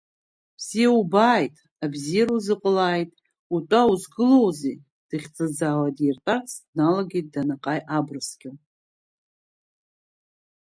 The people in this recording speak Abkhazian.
Бзиа убааит, абзиара узыҟалааит, утәа узгылоузеи, дихӡыӡаауа диртәарц дналагеит Данаҟаи Абрскьыл.